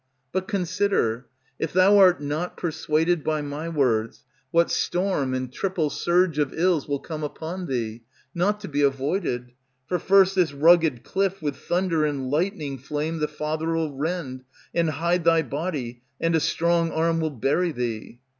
But consider, if thou art not persuaded by my words, What storm and triple surge of ills Will come upon thee, not to be avoided; for first this rugged Cliff with thunder and lightning flame The Father'll rend, and hide Thy body, and a strong arm will bury thee.